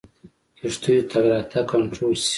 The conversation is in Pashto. کښتیو تګ راتګ کنټرول شي.